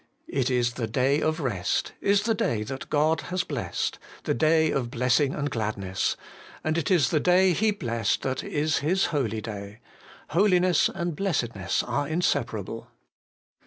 It is the day of rest, is the day that God has blessed, the day of blessing and gladness ; and it is the day He blessed that is His holy day. Holiness and blessedness are inseparable.